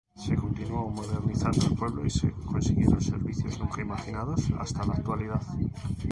Se continuó modernizando el pueblo y se consiguieron servicios nunca imaginados hasta la actualidad.